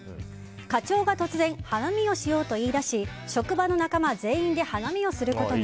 課長が突然花見をしようと言い出し職場の仲間全員で花見をすることに。